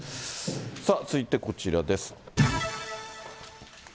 さあ続いてこちらです。